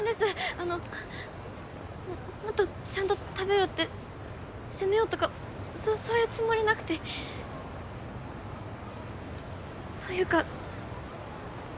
あのもっとちゃんと食べろって責めようとかそそういうつもりなくて。というか。